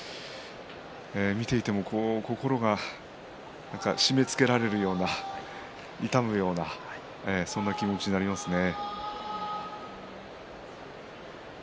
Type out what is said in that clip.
見ていても、心が何か締めつけられるような痛むようなそんな気持ちになりますね。